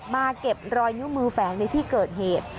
เก็บรอยนิ้วมือแฝงในที่เกิดเหตุ